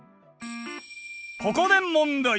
ここで問題！